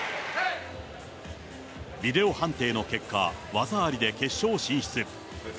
ビデオ判定の結果、技ありで決勝進出。